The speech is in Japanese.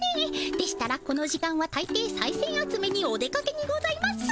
でしたらこの時間はたいていさいせん集めにお出かけにございます。